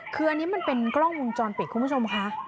คืออันนี้มันเป็นกล้องวงจรปิดคุณผู้ชมค่ะ